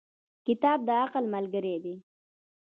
• کتاب د عقل ملګری دی.